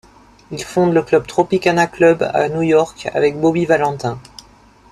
Il fonde le Club Tropicana Club à New York avec Bobby Valentin.